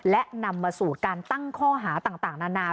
และนำมาสู่การตั้งข้อหาต่างนานา